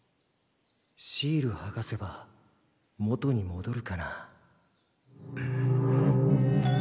シールはがせば元にもどるかな？